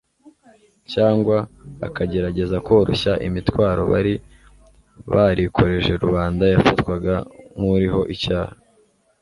cyangwa akagerageza koroshya imitwaro bari barikoreje rubanda yafatwaga nk’uriho icyaha